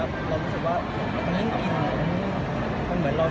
มันเหมือนเราใช้จริงแล้วมันมีความรู้สึกเราอยู่แล้ว